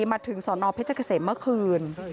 มาถึงสอนอเพชรเกษมเมื่อคืน